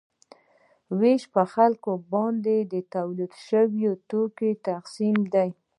ویش په خلکو باندې د تولید شویو توکو تقسیم دی.